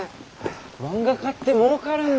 漫画家ってもうかるんだぁ。